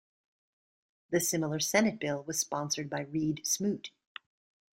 The similar Senate bill was sponsored by Reed Smoot.